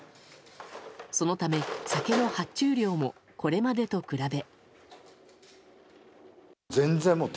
そのため、酒の発注量もこれまでと比べ。